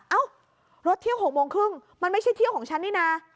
เอ้ารถเที่ยว๖โมงครึ่งมันไม่ใช่เที่ยวของฉันนี่นะ